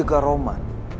biar lo pake roman